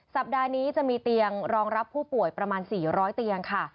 สัปดาห์นี้จะมีเตียงรองรับผู้ป่วยประมาณ๔๐๐เตียงค่ะ